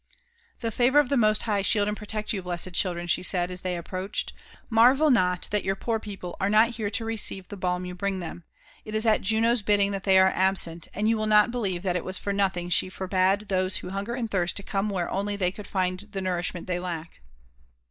'< Tho favour of the Most High shield and protect yM« Messed chil dren I" ahe iaid« aa they approached. " Marvel not that your poor people are not here to receive the balm you bring them. It h at Juno's bidding that Uiey are absent; and you will not believe that it was for nothing she forbad those who hunger and thirst to come where foly they could find the nourfehmeat they lack."